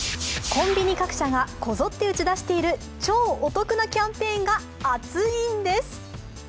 コンビニ各社がこぞって打ち出している超お得なキャンペーンが熱いんです。